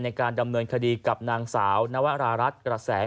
ในการดำเนินคดีกับนางสาวนวรารัฐกระแส